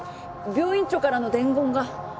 病院長からの伝言が。